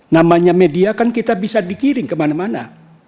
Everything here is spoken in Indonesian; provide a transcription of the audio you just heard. namanya media kan kita bisa dikirim kemana mana